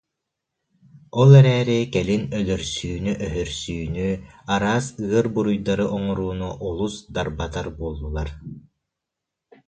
Ол эрээри кэлин өлөрсүүнү-өһөрсүүнү, араас ыар бу- руйдары оҥорууну олус дарбатар буоллулар